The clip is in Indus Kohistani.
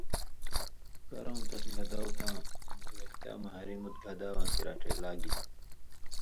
کرؤوں تس گھداؤ تاں مرگلتیا مہ ہری مُت گھداواں کریا ڇېلا گِلیۡ۔